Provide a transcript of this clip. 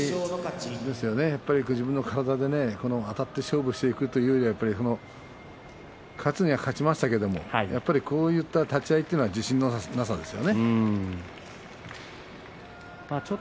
やはり自分の体であたって勝負していくという形勝つには勝ちましたけれどもこういう立ち合いは自信のなさですね。